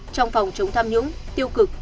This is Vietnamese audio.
trong phòng chống tham nhũng tiêu cực